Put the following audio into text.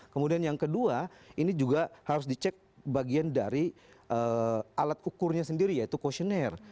kemudian yang kedua ini juga harus dicek bagian dari alat ukurnya sendiri yaitu questionnaire